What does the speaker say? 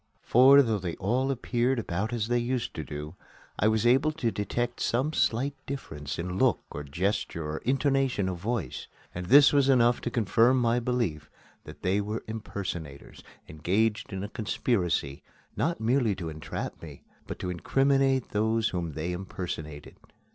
For, though they all appeared about as they used to do, I was able to detect some slight difference in look or gesture or intonation of voice, and this was enough to confirm my belief that they were impersonators, engaged in a conspiracy, not merely to entrap me, but to incriminate those whom they impersonated.